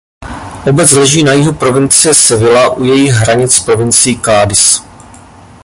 Obec leží na jihu provincie Sevilla u jejích hranic s provincií Cádiz.